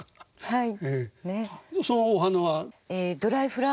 はい！